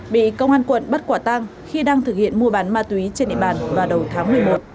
bị công an quận bắt quả tang khi đang thực hiện mua bán ma túy trên địa bàn vào đầu tháng một mươi một